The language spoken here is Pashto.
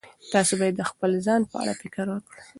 تاسو باید د خپل ځان په اړه فکر وکړئ.